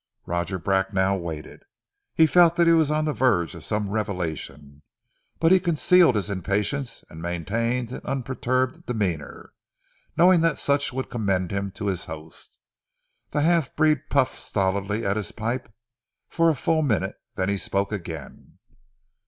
Roger Bracknell waited. He felt that he was on the verge of some revelation, but he concealed his impatience and maintained an unperturbed demeanour, knowing that such would commend him to his host. The half breed puffed stolidly at his pipe for a full minute, then he spoke again.